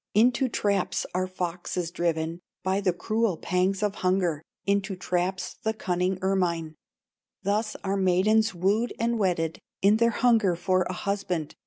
"Into traps are foxes driven By the cruel pangs of hunger, Into traps, the cunning ermine; Thus are maidens wooed and wedded, In their hunger for a husband.